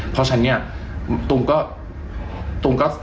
เพราะฉะนั้นนี่ตูมก็